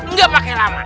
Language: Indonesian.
nggak pake lama